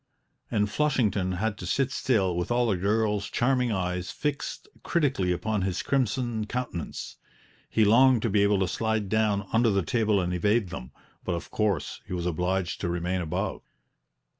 And Flushington had to sit still with all the girls' charming eyes fixed critically upon his crimson countenance; he longed to be able to slide down under the table and evade them, but of course he was obliged to remain above.